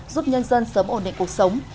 giúp nhân dân sớm ổn định cuộc sống